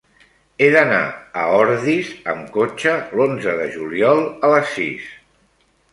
He d'anar a Ordis amb cotxe l'onze de juliol a les sis.